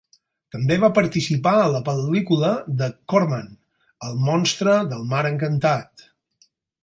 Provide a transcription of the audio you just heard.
També va participar a la pel·lícula de Corman "El monstre del mar encantat".